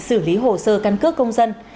xử lý hồ sơ căn cước công dân